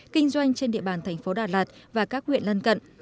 kinh doanh trên địa bàn tp đà lạt và các huyện lân cận